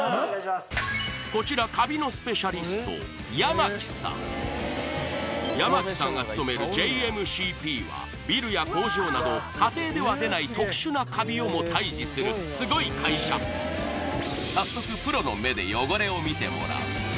こちらカビのスペシャリスト八巻さん八巻さんが務めるＪＭＣＰはビルや工場など家庭では出ない特殊なカビをも退治するすごい会社早速プロの目で汚れを見てもらう